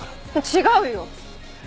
違うよ！